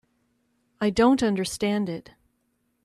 I don't understand it.